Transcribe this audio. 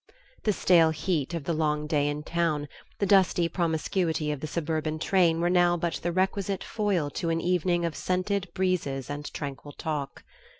The stale heat of the long day in town, the dusty promiscuity of the suburban train were now but the requisite foil to an evening of scented breezes and tranquil talk.